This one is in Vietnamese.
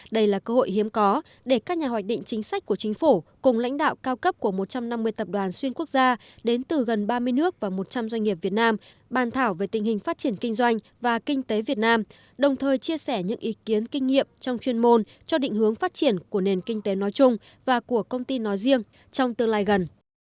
đây là cơ hội hiếm có để các nhà hoạch định chính sách của chính phủ cùng lãnh đạo cao cấp của một trăm năm mươi tập đoàn xuyên quốc gia đến từ gần ba mươi nước và một trăm linh doanh nghiệp việt nam bàn thảo về tình hình phát triển kinh doanh và kinh tế việt nam đồng thời chia sẻ những ý kiến kinh nghiệm trong chuyên môn cho định hướng phát triển của nền kinh tế nói chung và của công ty nói riêng trong tương lai gần